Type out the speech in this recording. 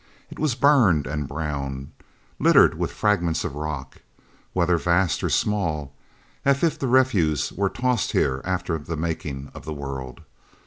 It was burned and brown, littered with fragments of rock, whether vast or small, as if the refuse were tossed here after the making of the world.